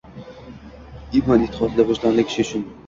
imon-e’tiqodli, vijdonli kishi uchun